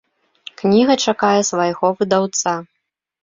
Кніга чакае свайго выдаўца.